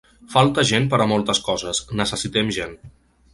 Falta gent per a moltes coses, necessitem gent.